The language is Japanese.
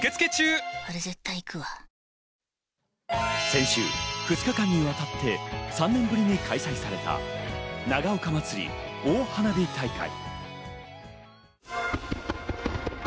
先週２日間にわたって３年ぶりに開催された長岡まつり大花火大会。